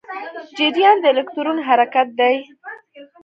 جریان د الکترون حرکت دی.